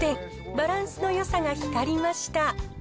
バランスのよさが光りました。